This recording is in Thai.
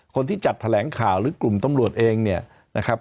คนที่จัดแถลงข่าวหรือกลุ่มตำรวจเองเนี่ยนะครับ